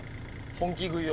本気食いを？